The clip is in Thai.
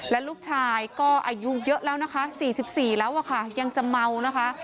และลูกชายก็อายุเยอะแล้วนะคะ๔๔แล้วอะค่ะยังจะเมานะคะ